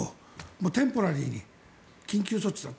テンポラリーに、緊急措置だと。